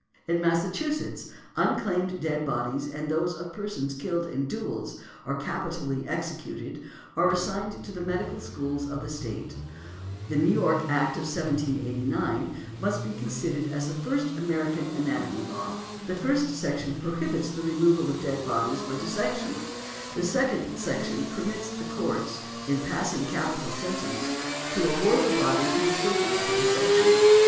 In Massachusetts, unclaimed dead bodies, and those of persons killed in duels, or capitally executed, are assigned to the medical schools of the State. The New York Act of 1789 must be considered as the first American Anatomy Law. The first section prohibits the removal of dead bodies for dissection, and the second section permits the Courts, in passing capital sentence, to award the body to the surgeons for dissection.